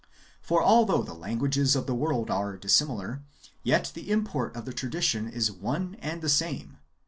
For, although the languages of the world are dissimilar, yet the import of the tradition is one and the same.